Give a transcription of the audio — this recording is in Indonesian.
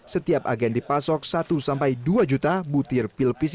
setiap agen dipasok satu dua juta butir pil pcc